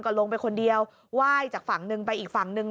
ลงไปคนเดียวไหว้จากฝั่งหนึ่งไปอีกฝั่งหนึ่ง